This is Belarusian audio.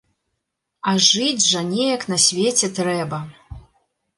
А жыць жа неяк на свеце трэба.